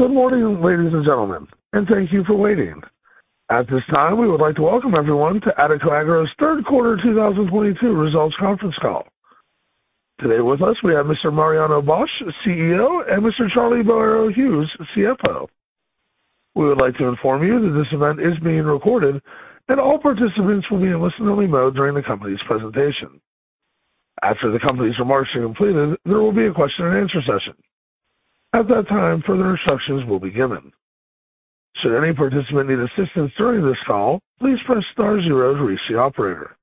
Good morning, ladies and gentlemen, and thank you for waiting. At this time, we would like to welcome everyone to Adecoagro's third quarter 2022 results conference call. Today with us we have Mr. Mariano Bosch, CEO, and Mr. Charlie Boero Hughes, CFO. We would like to inform you that this event is being recorded, and all participants will be in listen only mode during the company's presentation. After the company's remarks are completed, there will be a question and answer session. At that time, further instructions will be given. Should any participant need assistance during this call, please press star zero to reach the operator.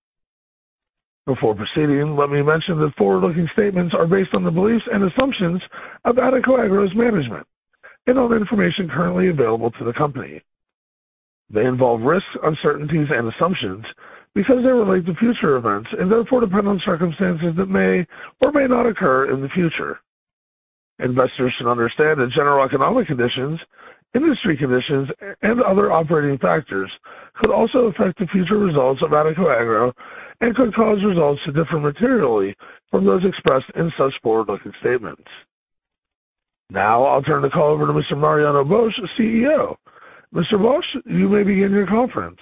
Before proceeding, let me mention that forward-looking statements are based on the beliefs and assumptions of Adecoagro's management and on information currently available to the company. They involve risks, uncertainties and assumptions because they relate to future events and therefore depend on circumstances that may or may not occur in the future. Investors should understand that general economic conditions, industry conditions and other operating factors could also affect the future results of Adecoagro and could cause results to differ materially from those expressed in such forward-looking statements. Now, I'll turn the call over to Mr. Mariano Bosch, CEO. Mr. Bosch, you may begin your conference.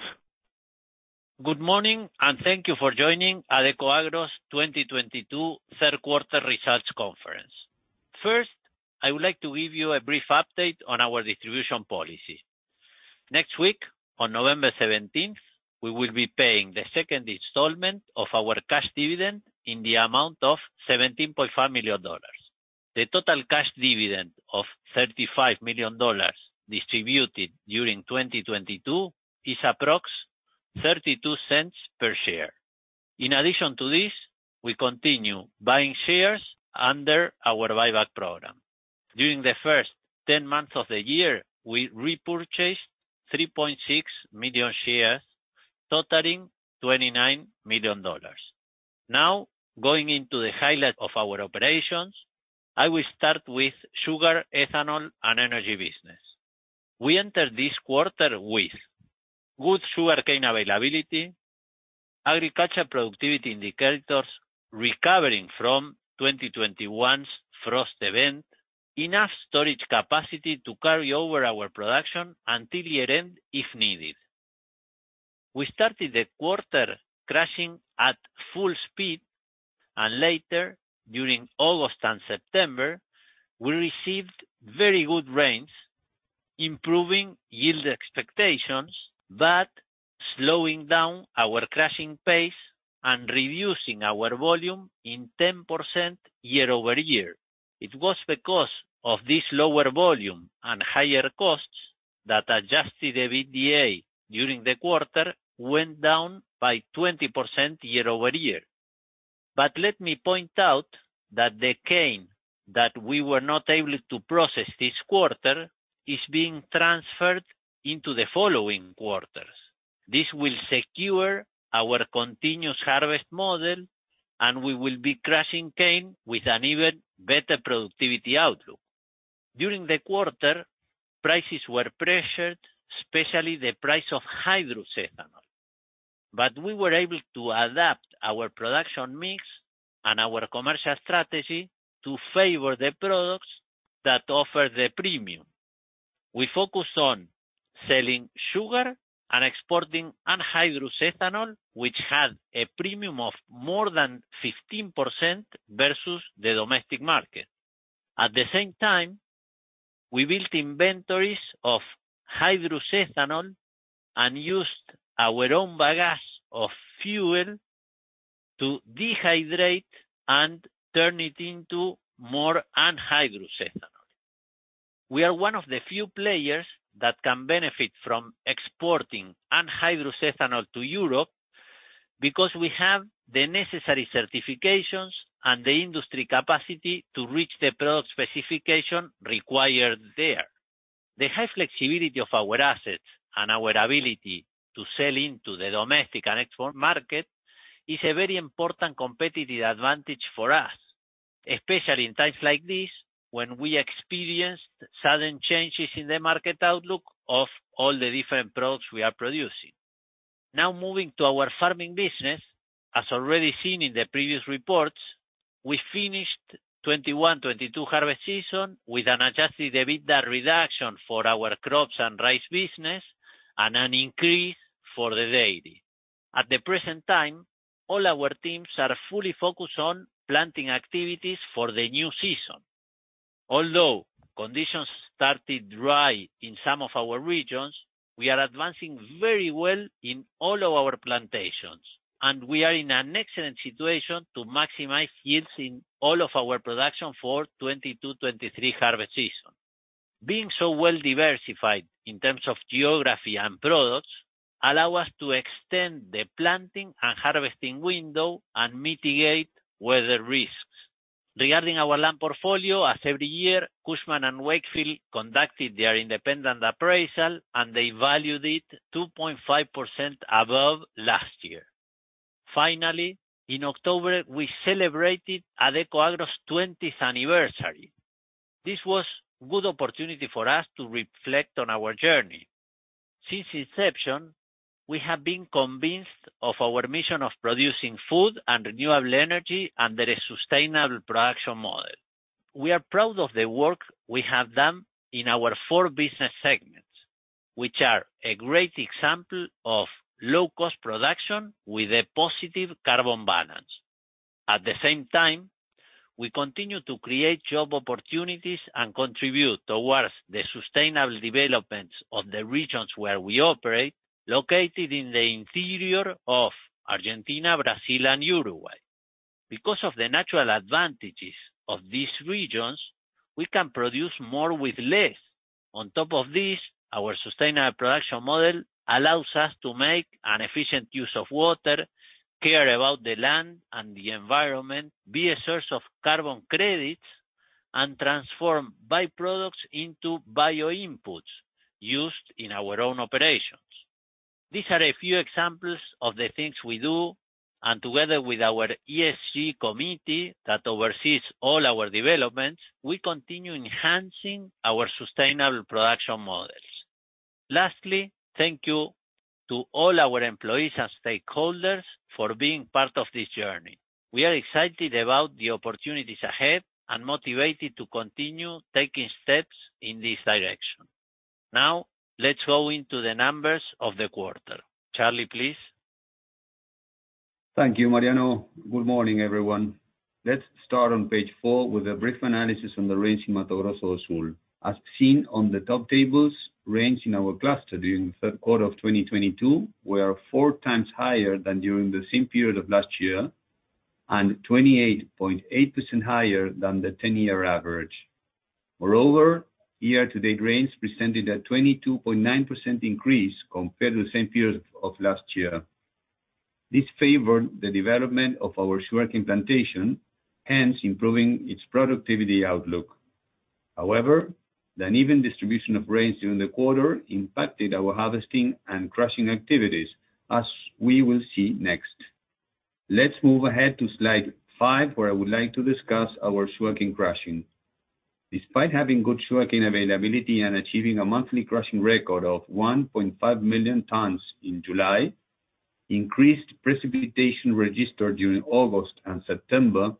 Good morning and thank you for joining Adecoagro's 2022 third quarter results conference. First, I would like to give you a brief update on our distribution policy. Next week, on November 17, we will be paying the second installment of our cash dividend in the amount of $17.5 million. The total cash dividend of $35 million distributed during 2022 is approximately $0.32 per share. In addition to this, we continue buying shares under our buyback program. During the first 10 months of the year, we repurchased 3.6 million shares, totaling $29 million. Now, going into the highlights of our operations, I will start with sugar, ethanol and energy business. We enter this quarter with good sugarcane availability, agricultural productivity indicators recovering from 2021's frost event, enough storage capacity to carry over our production until year-end if needed. We started the quarter crushing at full speed, and later during August and September, we received very good rains, improving yield expectations, but slowing down our crushing pace and reducing our volume in 10% year-over-year. It was because of this lower volume and higher costs that adjusted the EBITDA during the quarter went down by 20% year-over-year. Let me point out that the cane that we were not able to process this quarter is being transferred into the following quarters. This will secure our continuous harvest model and we will be crushing cane with an even better productivity outlook. During the quarter, prices were pressured, especially the price of hydrous ethanol. We were able to adapt our production mix and our commercial strategy to favor the products that offer the premium. We focused on selling sugar and exporting anhydrous ethanol, which had a premium of more than 15% versus the domestic market. At the same time, we built inventories of hydrous ethanol and used our own bagasse as fuel to dehydrate and turn it into more anhydrous ethanol. We are one of the few players that can benefit from exporting anhydrous ethanol to Europe because we have the necessary certifications and the industry capacity to reach the product specification required there. The high flexibility of our assets and our ability to sell into the domestic and export market is a very important competitive advantage for us, especially in times like this when we experienced sudden changes in the market outlook of all the different products we are producing. Now moving to our farming business. As already seen in the previous reports, we finished 2021-2022 harvest season with an adjusted EBITDA reduction for our crops and rice business and an increase for the dairy. At the present time, all our teams are fully focused on planting activities for the new season. Although conditions started dry in some of our regions, we are advancing very well in all of our plantations, and we are in an excellent situation to maximize yields in all of our production for 2022-2023 harvest season. Being so well diversified in terms of geography and products allow us to extend the planting and harvesting window and mitigate weather risks. Regarding our land portfolio, as every year, Cushman & Wakefield conducted their independent appraisal and they valued it 2.5% above last year. Finally, in October, we celebrated Adecoagro's 20th anniversary. This was a good opportunity for us to reflect on our journey. Since inception, we have been convinced of our mission of producing food and renewable energy under a sustainable production model. We are proud of the work we have done in our four business segments, which are a great example of low cost production with a positive carbon balance. At the same time, we continue to create job opportunities and contribute towards the sustainable development of the regions where we operate, located in the interior of Argentina, Brazil, and Uruguay. Because of the natural advantages of these regions, we can produce more with less. On top of this, our sustainable production model allows us to make an efficient use of water, care about the land and the environment, be a source of carbon credits, and transform byproducts into bio-inputs used in our own operations. These are a few examples of the things we do, and together with our ESG committee that oversees all our developments, we continue enhancing our sustainable production models. Lastly, thank you to all our employees and stakeholders for being part of this journey. We are excited about the opportunities ahead and motivated to continue taking steps in this direction. Now, let's go into the numbers of the quarter. Charlie, please. Thank you, Mariano. Good morning, everyone. Let's start on page four with a brief analysis on the rains in Mato Grosso do Sul. As seen on the top tables, rains in our cluster during the third quarter of 2022 were four times higher than during the same period of last year, and 28.8% higher than the 10-year average. Moreover, year-to-date rains presented a 22.9% increase compared to the same period of last year. This favored the development of our sugar cane plantation, hence improving its productivity outlook. However, the uneven distribution of rains during the quarter impacted our harvesting and crushing activities, as we will see next. Let's move ahead to slide five, where I would like to discuss our sugar cane crushing. Despite having good sugarcane availability and achieving a monthly crushing record of 1.5 million tons in July, increased precipitation registered during August and September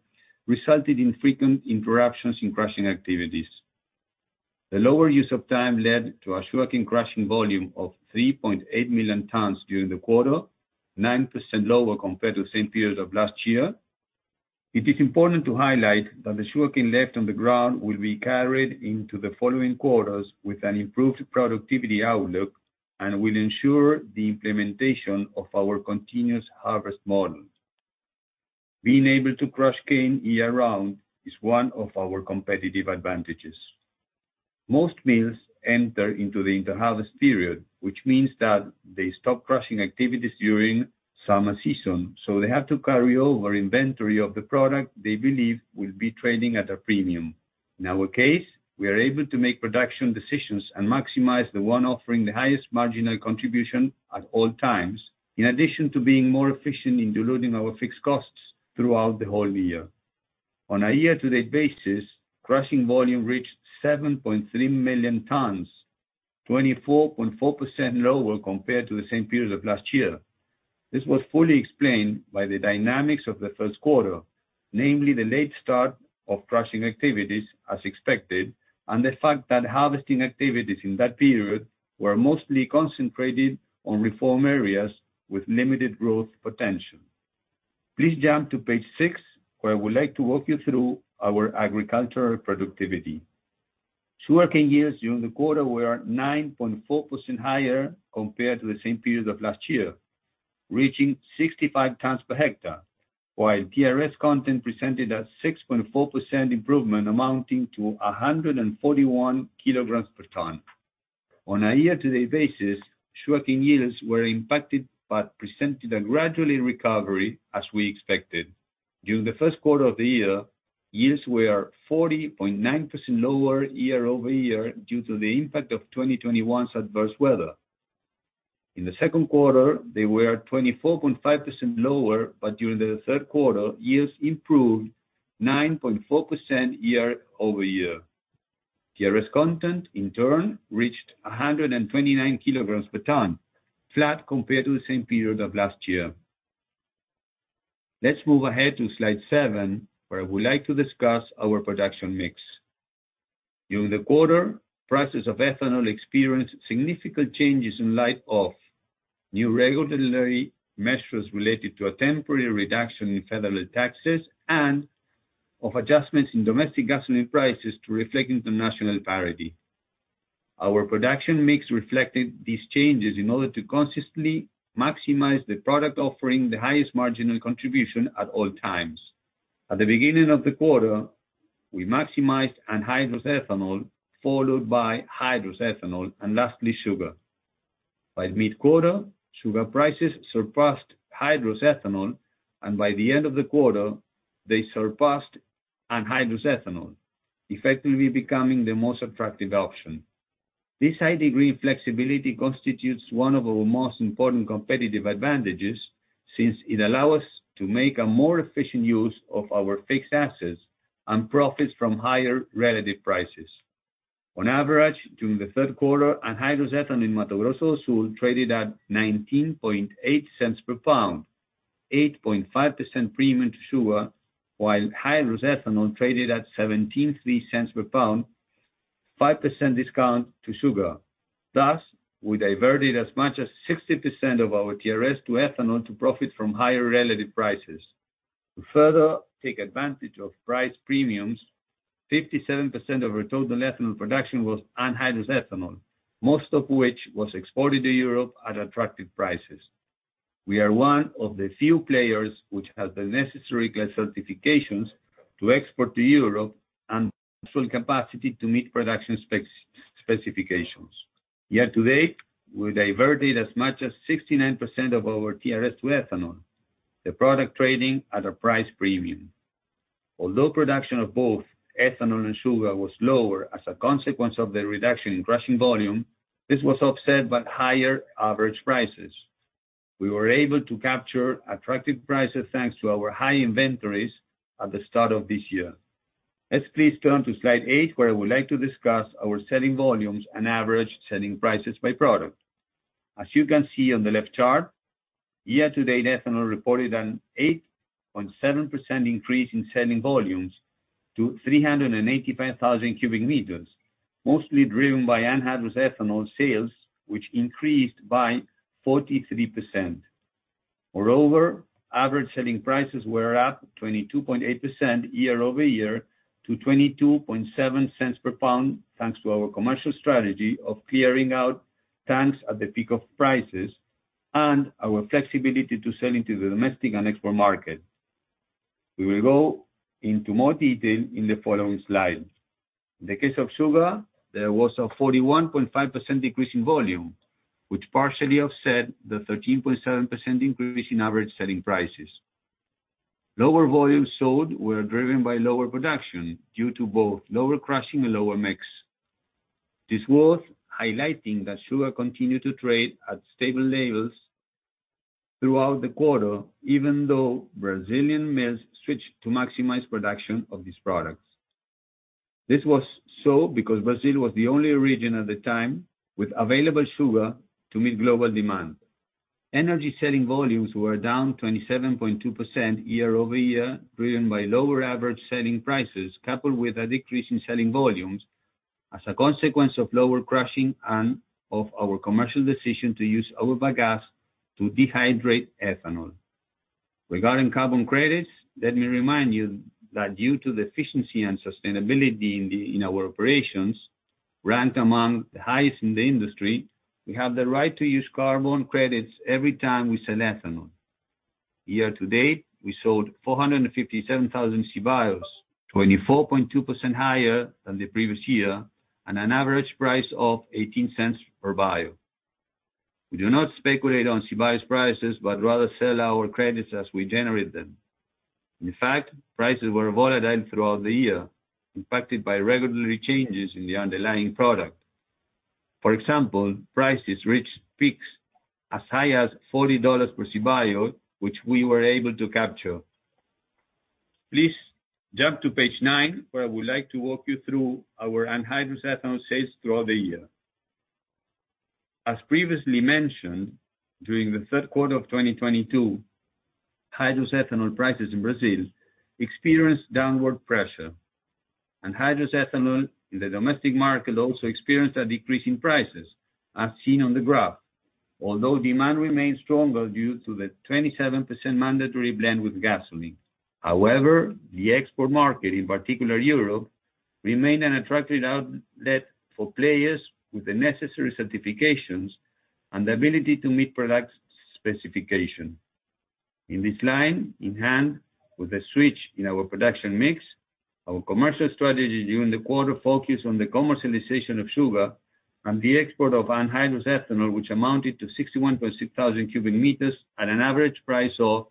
resulted in frequent interruptions in crushing activities. The lower use of time led to a sugarcane crushing volume of 3.8 million tons during the quarter, 9% lower compared to the same period of last year. It is important to highlight that the sugarcane left on the ground will be carried into the following quarters with an improved productivity outlook, and will ensure the implementation of our continuous harvest models. Being able to crush cane year-round is one of our competitive advantages. Most mills enter into the inter-harvest period, which means that they stop crushing activities during summer season, so they have to carry over inventory of the product they believe will be trading at a premium. In our case, we are able to make production decisions and maximize the one offering the highest marginal contribution at all times, in addition to being more efficient in diluting our fixed costs throughout the whole year. On a year-to-date basis, crushing volume reached 7.3 million tons, 24.4% lower compared to the same period of last year. This was fully explained by the dynamics of the first quarter, namely the late start of crushing activities as expected, and the fact that harvesting activities in that period were mostly concentrated on reform areas with limited growth potential. Please jump to page six, where I would like to walk you through our agricultural productivity. Sugarcane yields during the quarter were 9.4% higher compared to the same period of last year, reaching 65 tons per hectare, while TRS content presented a 6.4% improvement amounting to 141 kg per ton. On a year-to-date basis, sugarcane yields were impacted but presented a gradual recovery as we expected. During the first quarter of the year, yields were 40.9% lower year-over-year due to the impact of 2021's adverse weather. In the second quarter, they were 24.5% lower, but during the third quarter, yields improved 9.4% year-over-year. TRS content, in turn, reached 129 kg per ton, flat compared to the same period of last year. Let's move ahead to slide seven, where I would like to discuss our production mix. During the quarter, prices of ethanol experienced significant changes in light of new regulatory measures related to a temporary reduction in federal taxes and of adjustments in domestic gasoline prices to reflect international parity. Our production mix reflected these changes in order to consistently maximize the product offering the highest marginal contribution at all times. At the beginning of the quarter, we maximized anhydrous ethanol, followed by hydrous ethanol, and lastly, sugar. By mid-quarter, sugar prices surpassed hydrous ethanol, and by the end of the quarter, they surpassed anhydrous ethanol, effectively becoming the most attractive option. This high degree of flexibility constitutes one of our most important competitive advantages. Since it allow us to make a more efficient use of our fixed assets and profits from higher relative prices. On average, during the third quarter, anhydrous ethanol in Mato Grosso do Sul traded at $0.198 per pound, 8.5% premium to sugar, while hydrous ethanol traded at $0.173 per pound, 5% discount to sugar. Thus, we diverted as much as 60% of our TRS to ethanol to profit from higher relative prices. To further take advantage of price premiums, 57% of our total ethanol production was anhydrous ethanol, most of which was exported to Europe at attractive prices. We are one of the few players which have the necessary ISCC certifications to export to Europe and full capacity to meet production specifications. Year to date, we diverted as much as 69% of our TRS to ethanol, the product trading at a price premium. Although production of both ethanol and sugar was lower as a consequence of the reduction in crushing volume, this was offset by higher average prices. We were able to capture attractive prices thanks to our high inventories at the start of this year. Let's please turn to slide 8, where I would like to discuss our selling volumes and average selling prices by product. As you can see on the left chart, year to date, ethanol reported an 8.7% increase in selling volumes to 385,000 cu m, mostly driven by anhydrous ethanol sales, which increased by 43%. Moreover, average selling prices were up 22.8% year-over-year to $0.227 per pound, thanks to our commercial strategy of clearing out tanks at the peak of prices and our flexibility to sell into the domestic and export market. We will go into more detail in the following slides. In the case of sugar, there was a 41.5% decrease in volume, which partially offset the 13.7% increase in average selling prices. Lower volumes sold were driven by lower production due to both lower crushing and lower mix. It is worth highlighting that sugar continued to trade at stable levels throughout the quarter, even though Brazilian mills switched to maximize production of these products. This was so because Brazil was the only region at the time with available sugar to meet global demand. Energy selling volumes were down 27.2% year-over-year, driven by lower average selling prices, coupled with a decrease in selling volumes as a consequence of lower crushing and of our commercial decision to use our bagasse to dehydrate ethanol. Regarding carbon credits, let me remind you that due to the efficiency and sustainability in our operations, rank among the highest in the industry, we have the right to use carbon credits every time we sell ethanol. Year to date, we sold 457,000 CBIOs, 24.2% higher than the previous year, at an average price of $0.18 per CBIO. We do not speculate on CBIO prices, but rather sell our credits as we generate them. In fact, prices were volatile throughout the year, impacted by regulatory changes in the underlying product. For example, prices reached peaks as high as $40 per CBIO, which we were able to capture. Please jump to page 9, where I would like to walk you through our anhydrous ethanol sales throughout the year. As previously mentioned, during the third quarter of 2022, hydrous ethanol prices in Brazil experienced downward pressure. Anhydrous ethanol in the domestic market also experienced a decrease in prices, as seen on the graph. Although demand remains stronger due to the 27% mandatory blend with gasoline. However, the export market, in particular Europe, remained an attractive outlet for players with the necessary certifications and the ability to meet product specification. Along this line, hand in hand with the switch in our production mix, our commercial strategy during the quarter focused on the commercialization of sugar and the export of anhydrous ethanol, which amounted to 61,600 cu m at an average price of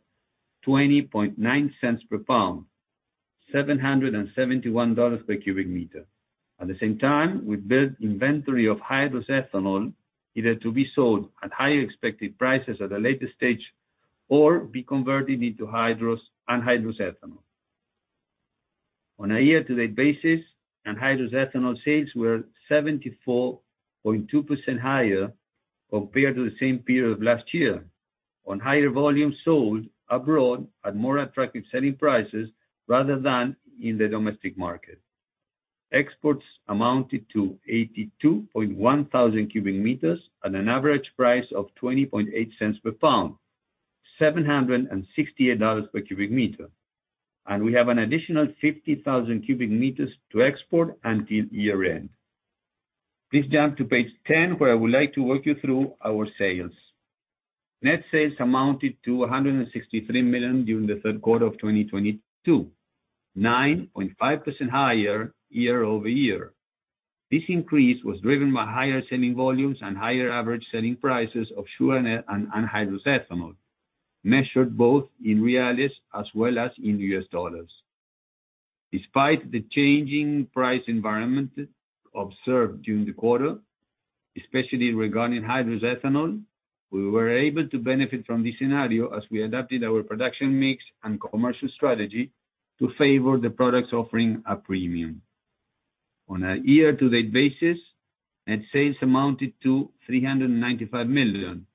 $0.209 per pound, $771 per cu m. At the same time, we built inventory of hydrous ethanol, either to be sold at higher expected prices at a later stage or be converted into anhydrous ethanol. On a year-to-date basis, anhydrous ethanol sales were 74.2% higher compared to the same period of last year on higher volumes sold abroad at more attractive selling prices rather than in the domestic market. Exports amounted to 82,100 cu m at an average price of $0.208 per pound, $768 per cu m We have an additional 50,000 cu m to export until year-end. Please jump to page 10, where I would like to walk you through our sales. Net sales amounted to $163 million during the third quarter of 2022, 9.5% higher year-over-year. This increase was driven by higher selling volumes and higher average selling prices of sugar and anhydrous ethanol, measured both in reals as well as in U.S. dollars. Despite the changing price environment observed during the quarter, especially regarding hydrous ethanol, we were able to benefit from this scenario as we adapted our production mix and commercial strategy to favor the products offering a premium. On a year-to-date basis, net sales amounted to $395 million,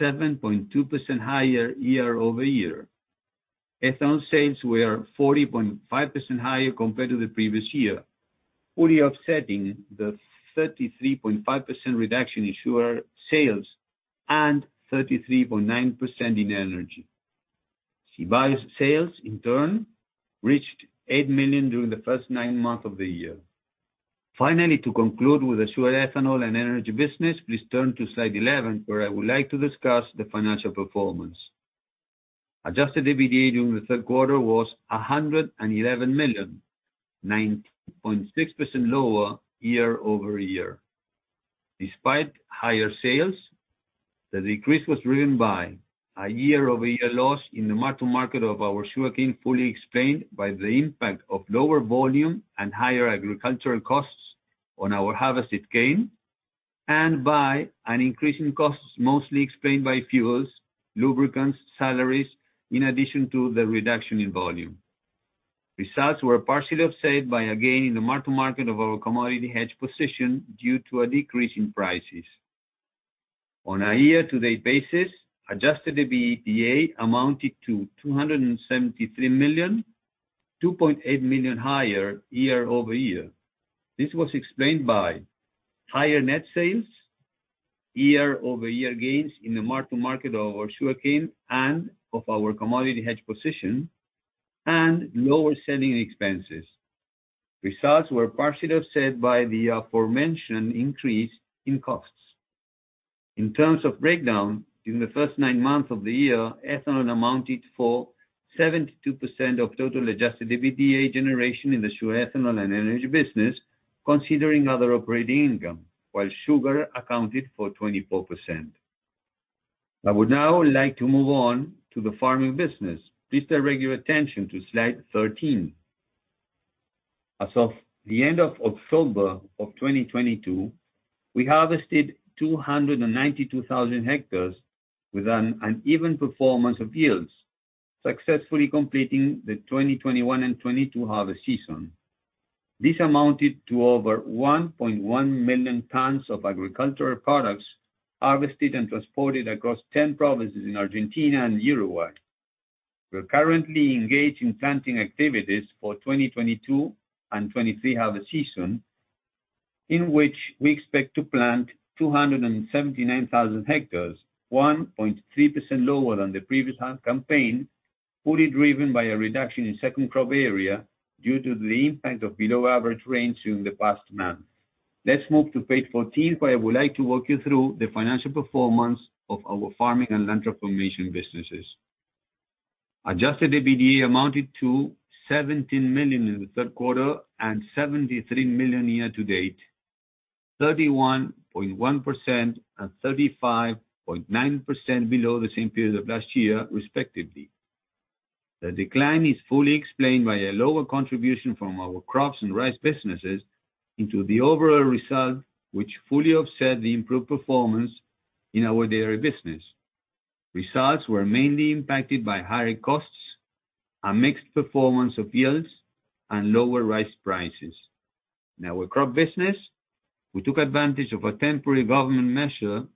7.2% higher year-over-year. Ethanol sales were 40.5% higher compared to the previous year, fully offsetting the 33.5% reduction in sugar sales and 33.9% in energy. CBIOs sales, in turn, reached $8 million during the first nine months of the year. Finally, to conclude with the Sugar, Ethanol and Energy business, please turn to slide 11, where I would like to discuss the financial performance. Adjusted EBITDA during the third quarter was $111 million, 19.6% lower year-over-year. Despite higher sales, the decrease was driven by a year-over-year loss in the mark-to-market of our sugarcane, fully explained by the impact of lower volume and higher agricultural costs on our harvested cane and by an increase in costs, mostly explained by fuels, lubricants, salaries, in addition to the reduction in volume. Results were partially offset by a gain in the mark-to-market of our commodity hedge position due to a decrease in prices. On a year-to-date basis, adjusted EBITDA amounted to $273 million, $2.8 million higher year-over-year. This was explained by higher net sales, year-over-year gains in the mark-to-market of our sugarcane and of our commodity hedge position, and lower selling expenses. Results were partially offset by the aforementioned increase in costs. In terms of breakdown, during the first nine months of the year, ethanol accounted for 72% of total adjusted EBITDA generation in the sugar, ethanol and energy business, considering other operating income, while sugar accounted for 24%. I would now like to move on to the farming business. Please direct your attention to slide 13. As of the end of October 2022, we harvested 292,000 hectares with an uneven performance of yields, successfully completing the 2021 and 2022 harvest season. This amounted to over 1.1 million tons of agricultural products harvested and transported across 10 provinces in Argentina and Uruguay. We're currently engaged in planting activities for 2022 and 2023 harvest season, in which we expect to plant 279,000 hectares, 1.3% lower than the previous campaign, fully driven by a reduction in second crop area due to the impact of below average rains during the past months. Let's move to page 14, where I would like to walk you through the financial performance of our farming and land transformation businesses. Adjusted EBITDA amounted to $17 million in the third quarter and $73 million year to date, 31.1% and 35.9% below the same period of last year, respectively. The decline is fully explained by a lower contribution from our crops and rice businesses into the overall result, which fully offset the improved performance in our dairy business. Results were mainly impacted by higher costs, a mixed performance of yields, and lower rice prices. In our crop business, we took advantage of a temporary government measure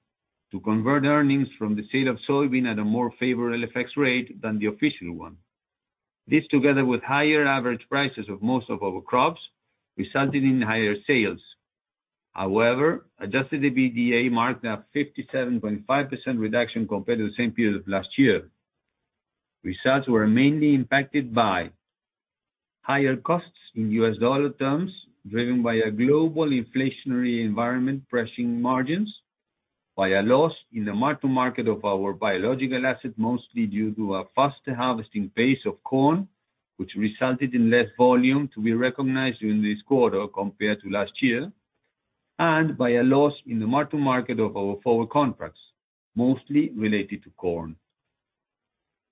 to convert earnings from the sale of soybean at a more favorable FX rate than the official one. This, together with higher average prices of most of our crops, resulted in higher sales. However, adjusted EBITDA marked a 57.5% reduction compared to the same period of last year. Results were mainly impacted by higher costs in U.S. dollar terms, driven by a global inflationary environment, pressing margins by a loss in the mark-to-market of our biological assets, mostly due to a faster harvesting pace of corn, which resulted in less volume to be recognized during this quarter compared to last year, and by a loss in the mark-to-market of our forward contracts, mostly related to corn.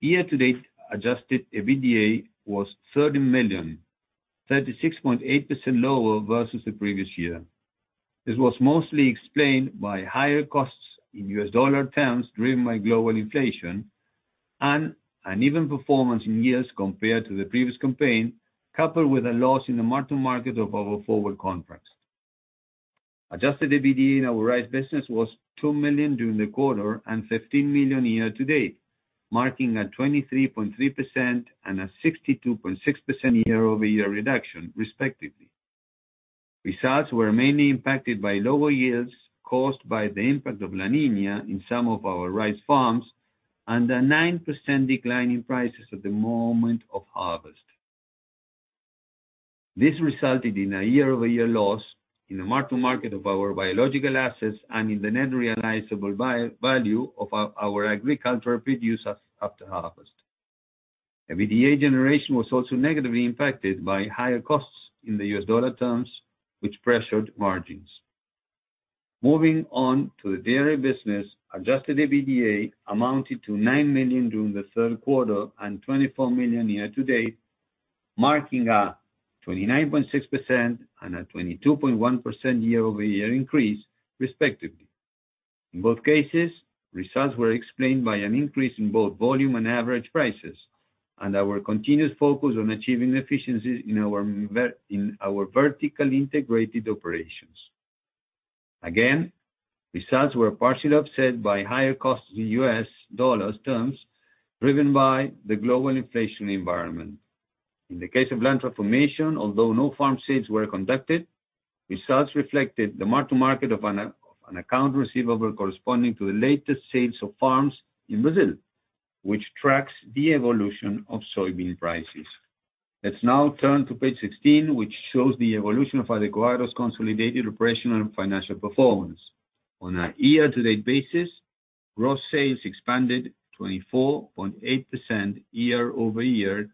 Year to date, adjusted EBITDA was $13 million, 36.8% lower versus the previous year. This was mostly explained by higher costs in US dollar terms, driven by global inflation and uneven performance in yields compared to the previous campaign, coupled with a loss in the mark-to-market of our forward contracts. Adjusted EBITDA in our rice business was $2 million during the quarter and $15 million year to date, marking a 23.3% and a 62.6% year-over-year reduction, respectively. Results were mainly impacted by lower yields caused by the impact of La Niña in some of our rice farms and a 9% decline in prices at the moment of harvest. This resulted in a year-over-year loss in the mark-to-market of our biological assets and in the net realizable value of our agricultural produce after harvest. EBITDA generation was also negatively impacted by higher costs in the U.S. dollar terms, which pressured margins. Moving on to the dairy business, adjusted EBITDA amounted to $9 million during the third quarter and $24 million year-to-date, marking a 29.6% and a 22.1% year-over-year increase respectively. In both cases, results were explained by an increase in both volume and average prices and our continuous focus on achieving efficiencies in our vertical integrated operations. Again, results were partially offset by higher costs in U.S. dollars terms, driven by the global inflation environment. In the case of land transformation, although no farm sales were conducted, results reflected the mark-to-market of an account receivable corresponding to the latest sales of farms in Brazil, which tracks the evolution of soybean prices. Let's now turn to page 16, which shows the evolution of Adecoagro's consolidated operational and financial performance. On a year-to-date basis, gross sales expanded 24.8% year-over-year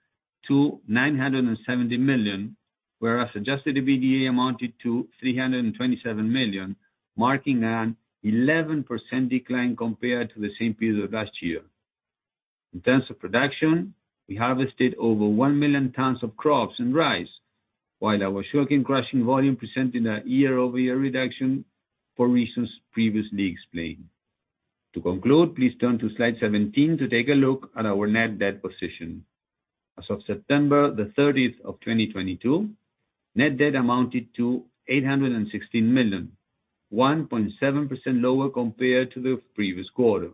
to $970 million, whereas adjusted EBITDA amounted to $327 million, marking an 11% decline compared to the same period of last year. In terms of production, we harvested over 1 million tons of crops and rice, while our sugar and crushing volume presenting a year-over-year reduction for reasons previously explained. To conclude, please turn to slide 17 to take a look at our net debt position. As of September 30, 2022, net debt amounted to $816 million, 1.7% lower compared to the previous quarter.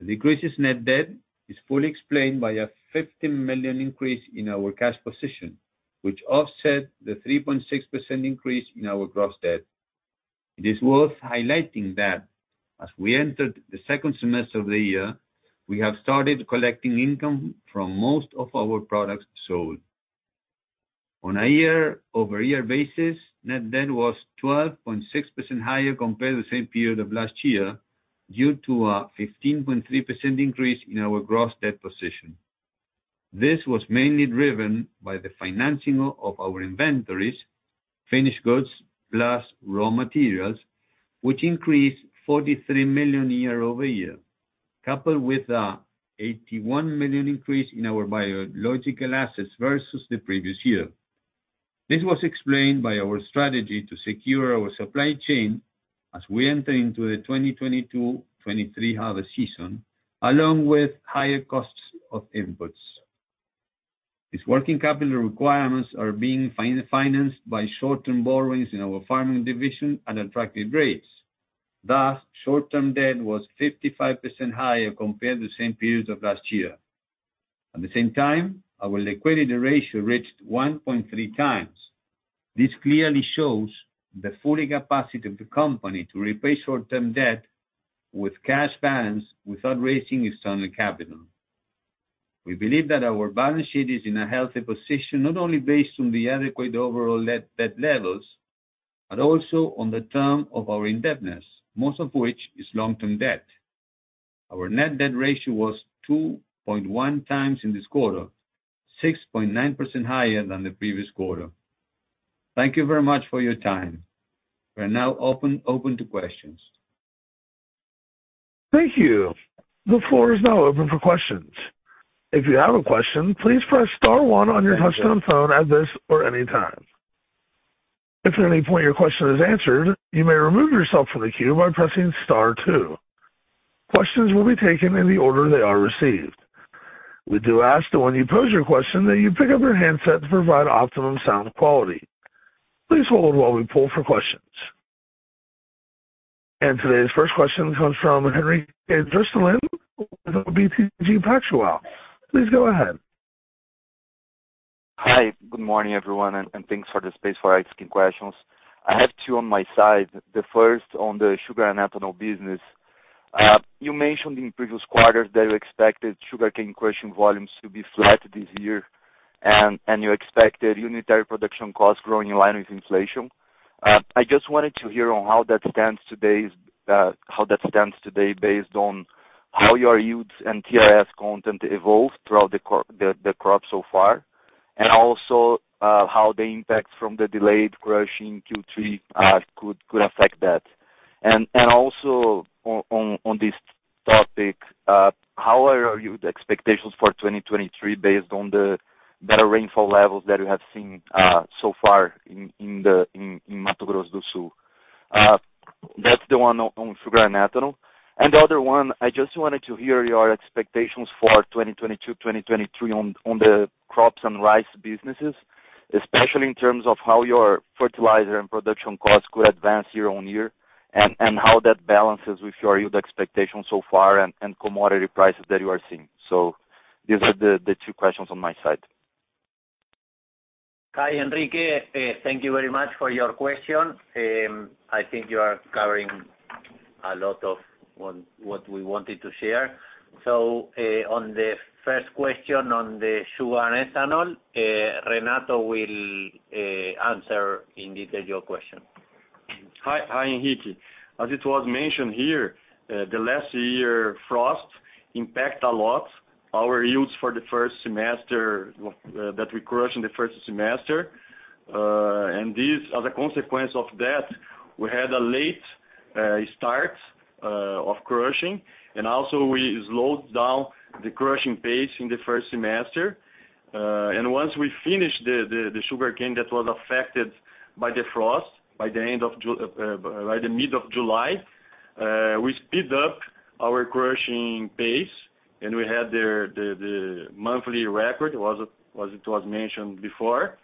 The decrease in net debt is fully explained by a $15 million increase in our cash position, which offset the 3.6% increase in our gross debt. It is worth highlighting that as we entered the second semester of the year, we have started collecting income from most of our products sold. On a year-over-year basis, net debt was 12.6% higher compared to the same period of last year, due to a 15.3% increase in our gross debt position. This was mainly driven by the financing of our inventories, finished goods, plus raw materials, which increased $43 million year-over-year, coupled with a $81 million increase in our biological assets versus the previous year. This was explained by our strategy to secure our supply chain as we enter into the 2022/2023 harvest season, along with higher costs of inputs. These working capital requirements are being financed by short-term borrowings in our farming division at attractive rates. Thus, short-term debt was 55% higher compared to the same period of last year. At the same time, our liquidity ratio reached 1.3x. This clearly shows the full capacity of the company to repay short-term debt with cash bands without raising external capital. We believe that our balance sheet is in a healthy position, not only based on the adequate overall net debt levels, but also on the term of our indebtedness, most of which is long-term debt. Our net debt ratio was 2.1x in this quarter, 6.9% higher than the previous quarter. Thank you very much for your time. We are now open to questions. Thank you. The floor is now open for questions. If you have a question, please press star one on your touchtone phone at this or any time. If at any point your question is answered, you may remove yourself from the queue by pressing star two. Questions will be taken in the order they are received. We do ask that when you pose your question that you pick up your handset to provide optimum sound quality. Please hold while we poll for questions. Today's first question comes from Henrique Christian with BTG Pactual. Please go ahead. Hi. Good morning, everyone, and thanks for the space for asking questions. I have two on my side. The first on the sugar and ethanol business. You mentioned in previous quarters that you expected sugarcane crushing volumes to be flat this year and you expected unitary production costs growing in line with inflation. I just wanted to hear on how that stands today, how that stands today based on how your yields and TRS content evolved throughout the crop so far. Also, how the impact from the delayed crushing in Q3 could affect that. Also on this topic, how are your expectations for 2023 based on the better rainfall levels that you have seen so far in Mato Grosso do Sul? That's the one on sugar and ethanol. The other one, I just wanted to hear your expectations for 2022, 2023 on the crops and rice businesses, especially in terms of how your fertilizer and production costs could advance year-over-year, and how that balances with your yield expectations so far and commodity prices that you are seeing. These are the two questions on my side. Hi, Henrique. Thank you very much for your question. I think you are covering a lot of what we wanted to share. On the first question on the sugar and ethanol, Renato will answer in detail your question. Hi, Henrique. As it was mentioned here, the last year frost impacted a lot our yields for the first semester that we crushed in the first semester. This, as a consequence of that, we had a late start of crushing. Also, we slowed down the crushing pace in the first semester. Once we finished the sugarcane that was affected by the frost by the mid of July, we sped up our crushing pace, and we had the monthly record was, as it was mentioned before.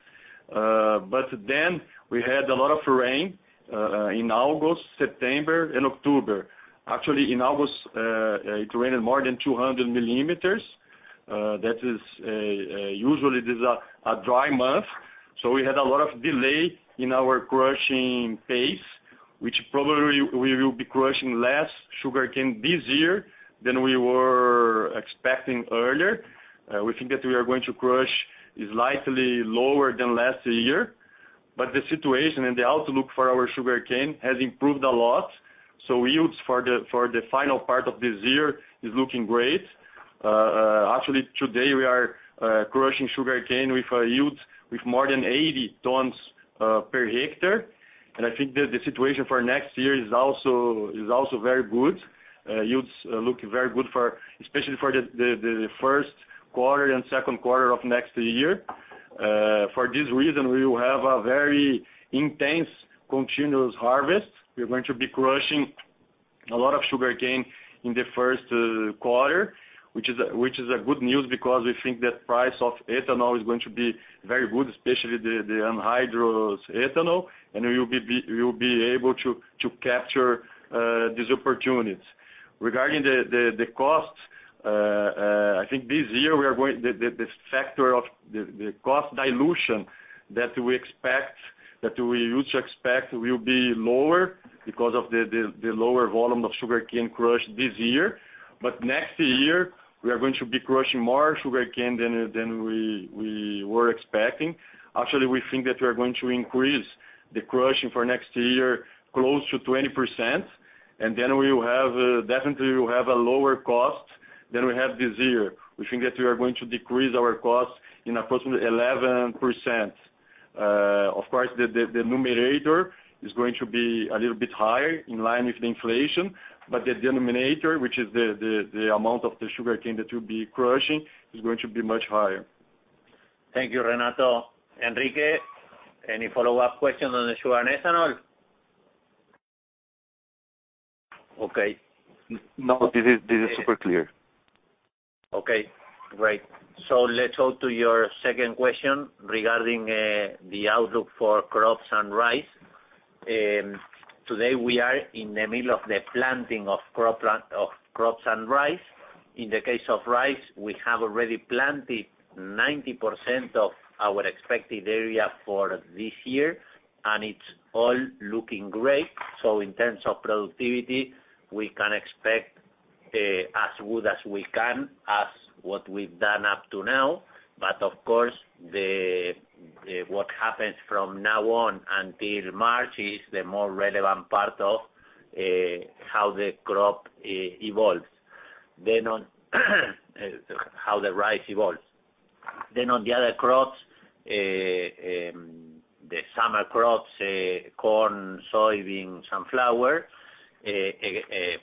Then we had a lot of rain in August, September and October. Actually, in August, it rained more than 200 mm. That is usually it is a dry month, so we had a lot of delay in our crushing pace, which probably we will be crushing less sugarcane this year than we were expecting earlier. We think that we are going to crush slightly lower than last year, but the situation and the outlook for our sugarcane has improved a lot. Yields for the final part of this year is looking great. Actually, today, we are crushing sugarcane with yields more than 80 tons per hectare. I think the situation for next year is also very good. Yields look very good, especially for the first quarter and second quarter of next year. For this reason, we will have a very intense continuous harvest. We're going to be crushing a lot of sugarcane in the first quarter, which is good news because we think the price of ethanol is going to be very good, especially the anhydrous ethanol, and we will be able to capture these opportunities. Regarding the costs, I think this year the factor of the cost dilution that we expect, that we used to expect will be lower because of the lower volume of sugarcane crushed this year. Next year, we are going to be crushing more sugarcane than we were expecting. Actually, we think that we are going to increase the crushing for next year close to 20%, and then we will have, definitely, a lower cost than we have this year. We think that we are going to decrease our costs in approximately 11%. Of course, the numerator is going to be a little bit higher in line with inflation, but the denominator, which is the amount of the sugarcane that we'll be crushing, is going to be much higher. Thank you, Renato. Henrique, any follow-up questions on the sugar and ethanol? Okay. No, this is super clear. Okay, great. Let's go to your second question regarding the outlook for crops and rice. Today, we are in the middle of the planting of crops and rice. In the case of rice, we have already planted 90% of our expected area for this year, and it's all looking great. In terms of productivity, we can expect as good as what we've done up to now. But of course, what happens from now on until March is the more relevant part of how the crop evolves. Then on how the rice evolves. Then on the other crops, the summer crops, corn, soybean, sunflower,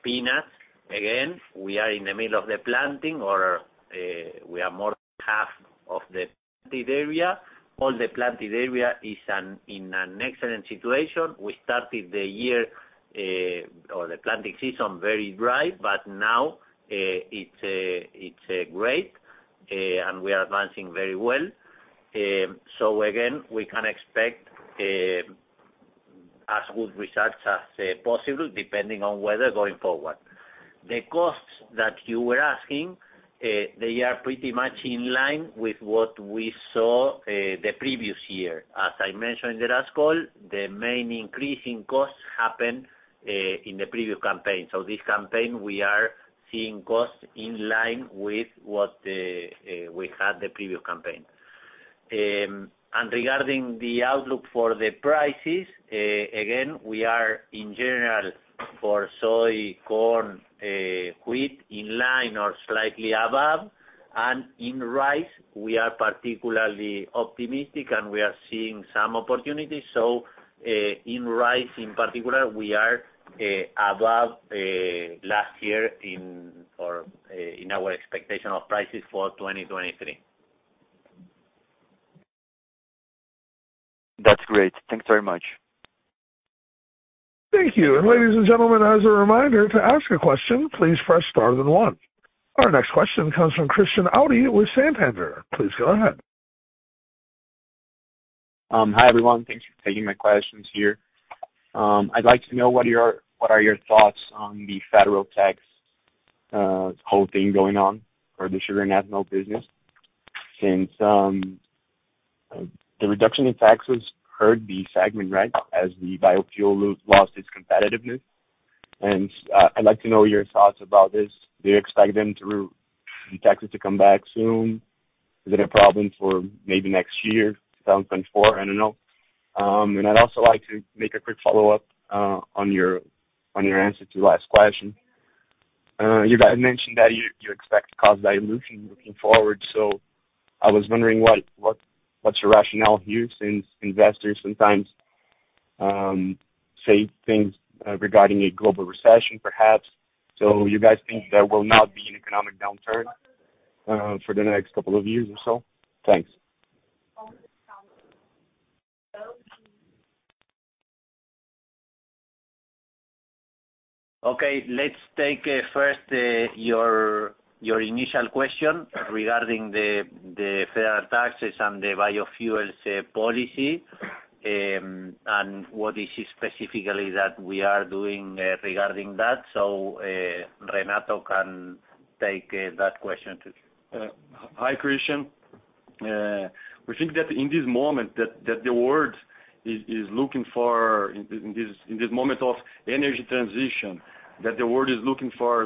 peanut. Again, we are in the middle of the planting, or we are more than half of the planted area. All the planted area is in an excellent situation. We started the year or the planting season very dry, but now it's great, and we are advancing very well. Again, we can expect as good results as possible, depending on weather going forward. The costs that you were asking, they are pretty much in line with what we saw the previous year. As I mentioned in the last call, the main increase in costs happened in the previous campaign. This campaign, we are seeing costs in line with what we had the previous campaign. Regarding the outlook for the prices, again, we are in general for soy, corn, wheat in line or slightly above. In rice, we are particularly optimistic, and we are seeing some opportunities. In rice in particular, we are above last year in our expectation of prices for 2023. That's great. Thanks very much. Thank you. Ladies and gentlemen, as a reminder, to ask a question, please press star then one. Our next question comes from Christian Audi with Santander. Please go ahead. Hi, everyone. Thanks for taking my questions here. I'd like to know what are your thoughts on the federal tax whole thing going on for the sugar and ethanol business since the reduction in taxes hurt the segment, right, as the biofuel lost its competitiveness. I'd like to know your thoughts about this. Do you expect them to, the taxes to come back soon? Is it a problem for maybe next year, 2024? I don't know. I'd also like to make a quick follow-up on your answer to the last question. You guys mentioned that you expect cost dilution moving forward. I was wondering what's your rationale here since investors sometimes say things regarding a global recession, perhaps. You guys think there will not be an economic downturn for the next couple of years or so? Thanks. Okay, let's take first your initial question regarding the federal taxes and the biofuels policy and what is specifically that we are doing regarding that. Renato can take that question too. Hi, Christian. We think that in this moment the world is looking for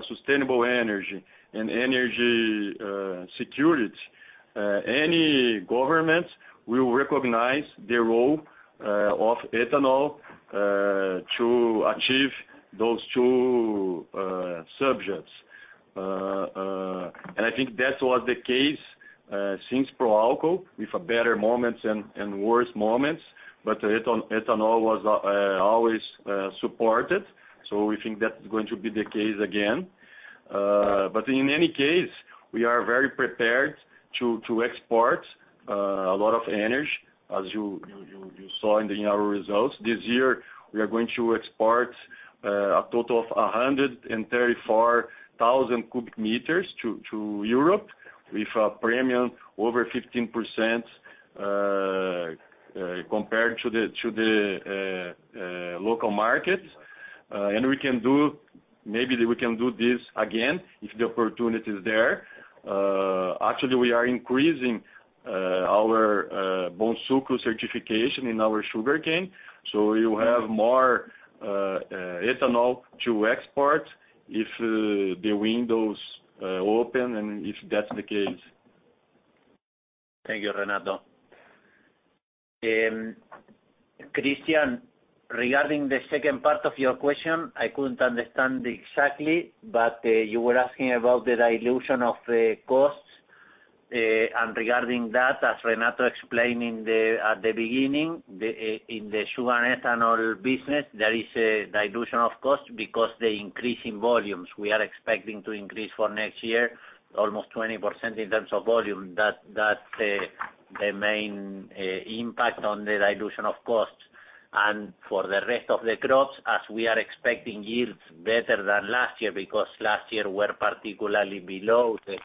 sustainable energy and energy security in this moment of energy transition. Any government will recognize the role of ethanol to achieve those two subjects. I think that was the case since Proálcool with better moments and worse moments, but ethanol was always supported. We think that's going to be the case again. In any case, we are very prepared to export a lot of energy. As you saw in the annual results, this year we are going to export a total of 134,000 cu m to Europe with a premium over 15% compared to the local markets. Maybe we can do this again if the opportunity is there. Actually, we are increasing our Bonsucro certification in our sugarcane, so you have more ethanol to export if the windows open and if that's the case. Thank you, Renato. Christian, regarding the second part of your question, I couldn't understand exactly, but you were asking about the dilution of the costs. Regarding that, as Renato explained at the beginning, in the sugar and ethanol business, there is a dilution of cost because the increase in volumes. We are expecting to increase for next year almost 20% in terms of volume. That's the main impact on the dilution of costs. For the rest of the crops, as we are expecting yields better than last year, because last year were particularly below the.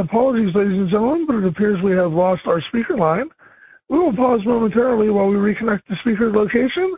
Apologies, ladies and gentlemen, but it appears we have lost our speaker line. We will pause momentarily while we reconnect the speaker location.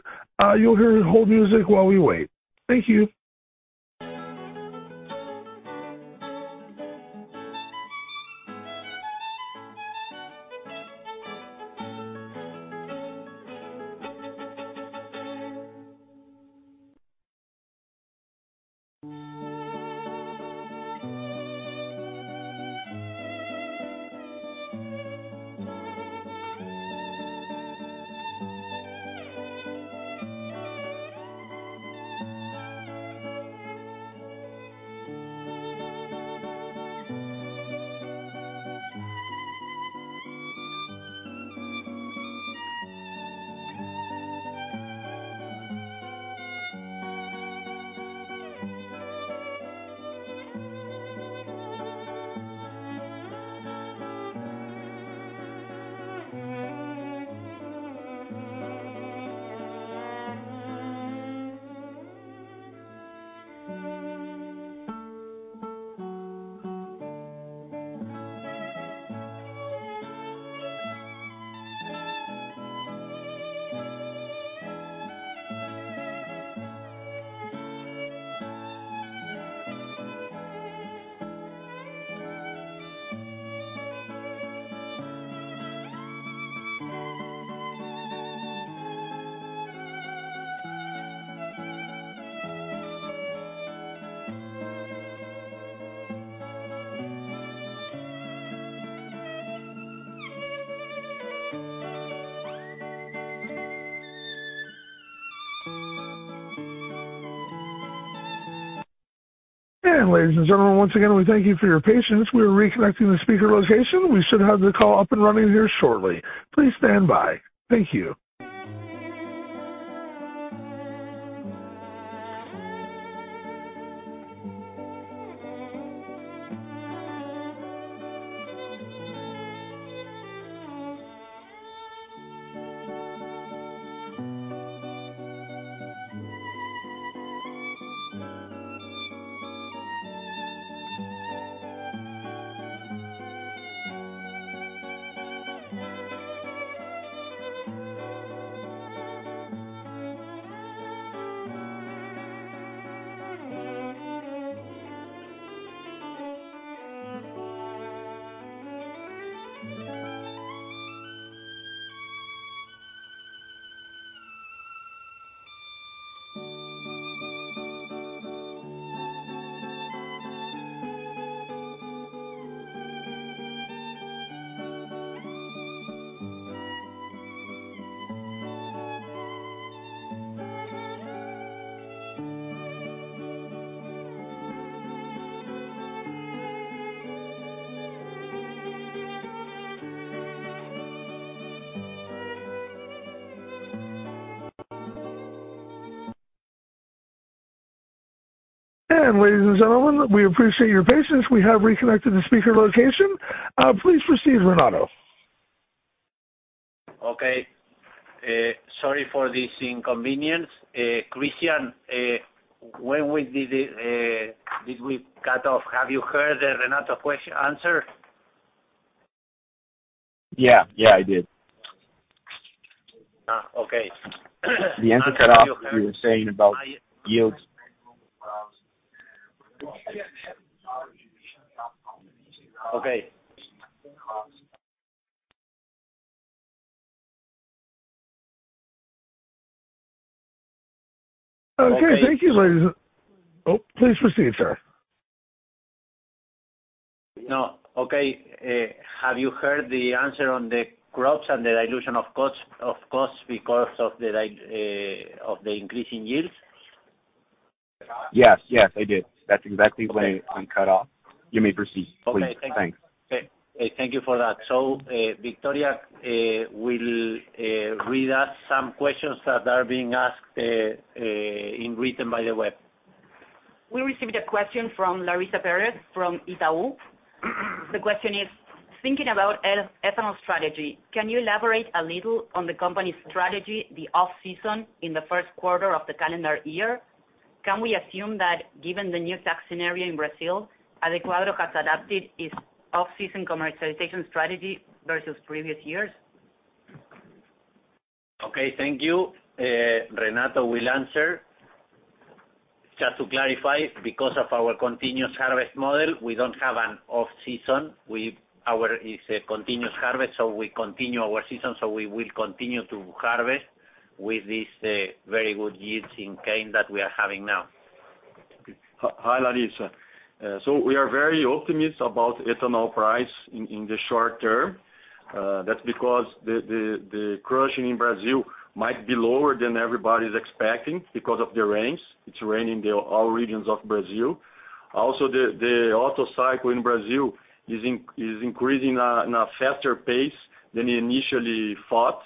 You'll hear hold music while we wait. Thank you. Ladies and gentlemen, once again, we thank you for your patience. We are reconnecting the speaker location. We should have the call up and running here shortly. Please stand by. Thank you. Ladies and gentlemen, we appreciate your patience. We have reconnected the speaker location. Please proceed, Renato. Okay. Sorry for this inconvenience. Christian, when we did it, did we cut off? Have you heard the Renato question-answer? Yeah. Yeah, I did. Okay. The answer cut off. You were saying about yields. Okay. Okay. Thank you. Oh, please proceed, sir. No. Okay. Have you heard the answer on the crops and the dilution of costs because of the increasing yields? Yes. Yes, I did. That's exactly when I'm cut off. You may proceed. Okay. Please. Thanks. Okay. Thank you for that. Victoria will read us some questions that are being asked in writing by the web. We received a question from Larissa Pérez from Itaú. The question is: Thinking about ethanol strategy, can you elaborate a little on the company's strategy, the off-season in the first quarter of the calendar year? Can we assume that given the new tax scenario in Brazil, Adecoagro has adapted its off-season commercialization strategy versus previous years? Okay. Thank you. Renato will answer. Just to clarify, because of our continuous harvest model, we don't have an off-season. Ours is a continuous harvest, so we continue our season, so we will continue to harvest with this very good yields in cane that we are having now. Hi, Larissa. We are very optimistic about ethanol price in the short term. That's because the crushing in Brazil might be lower than everybody's expecting because of the rains. It's raining in all regions of Brazil. Also, the Otto cycle in Brazil is increasing in a faster pace than he initially thought.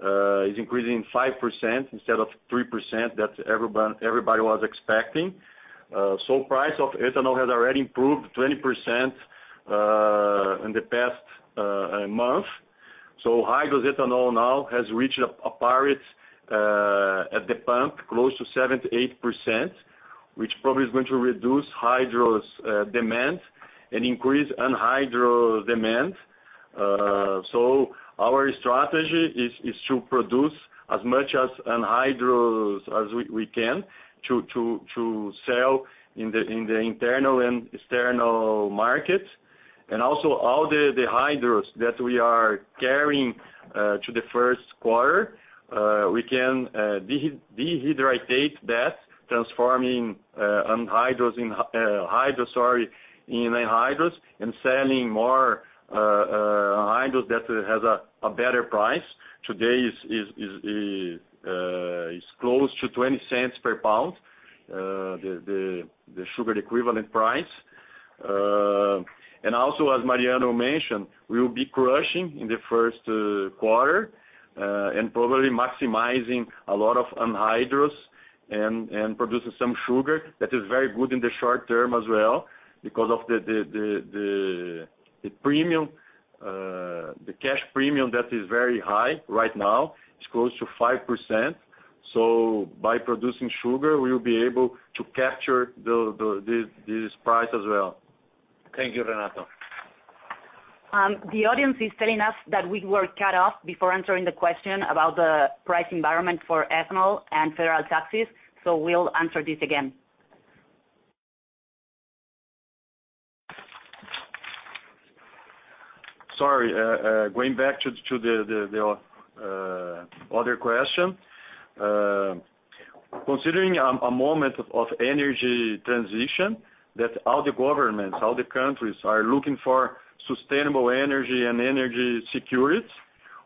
It's increasing 5% instead of 3% that everybody was expecting. Price of ethanol has already improved 20% in the past month. Hydrous ethanol now has reached a parity at the pump close to 78%, which probably is going to reduce hydrous demand and increase anhydrous demand. Our strategy is to produce as much anhydrous as we can to sell in the internal and external market. All the hydrous that we are carrying to the first quarter, we can dehydrate that, transforming hydrous into anhydrous and selling more anhydrous that has a better price. Today is close to $0.20 per pound, the sugar equivalent price. As Mariano mentioned, we will be crushing in the first quarter and probably maximizing a lot of anhydrous and producing some sugar. That is very good in the short term as well because of the premium, the cash premium that is very high right now. It's close to 5%, so by producing sugar we will be able to capture the this price as well. Thank you, Renato. The audience is telling us that we were cut off before answering the question about the price environment for ethanol and federal taxes, so we'll answer this again. Sorry, going back to the other question. Considering a moment of energy transition, that all the governments, all the countries are looking for sustainable energy and energy security,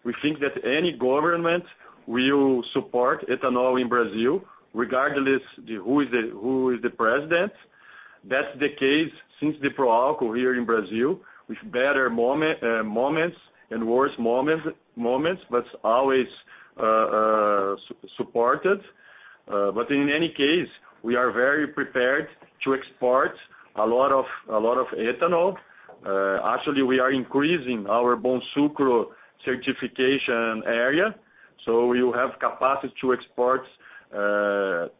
we think that any government will support ethanol in Brazil regardless who is the president. That's the case since the Proálcool here in Brazil, with better moments and worse moments, but always supported. In any case, we are very prepared to export a lot of ethanol. Actually, we are increasing our Bonsucro certification area. We will have capacity to export 20%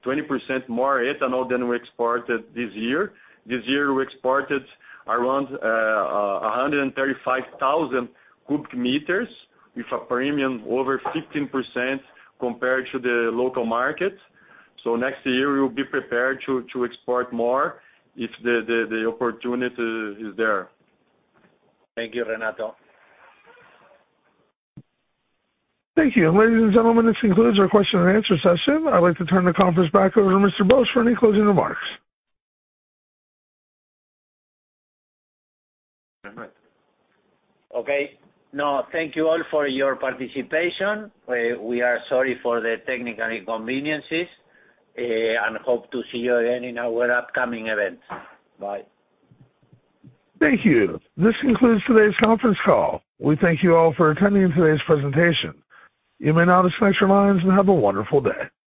more ethanol than we exported this year. This year, we exported around 135,000 cu m with a premium over 15% compared to the local market. Next year, we'll be prepared to export more if the opportunity is there. Thank you, Renato. Thank you. Ladies and gentlemen, this concludes our question and answer session. I'd like to turn the conference back over to Mr. Bosch for any closing remarks. Okay. No, thank you all for your participation. We are sorry for the technical inconveniences, and hope to see you again in our upcoming events. Bye. Thank you. This concludes today's conference call. We thank you all for attending today's presentation. You may now disconnect your lines and have a wonderful day.